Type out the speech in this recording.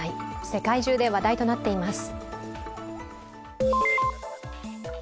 世界中で話題となっています。